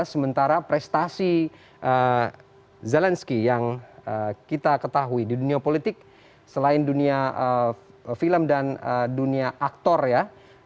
sementara prestasi zelensky yang kita ketahui di dunia politik selain dunia film dan dunia aktor ya